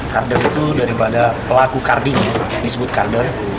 karder itu daripada pelaku karding disebut karder